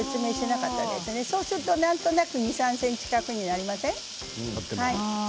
そうすると、なんとなく２、３ｃｍ角になりません？